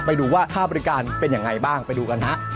ไปดูว่าค่าบริการเป็นยังไงบ้างไปดูกันฮะ